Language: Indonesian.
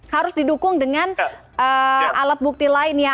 harus didukung dengan alat bukti lain ya